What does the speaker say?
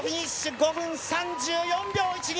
５分３４秒１２！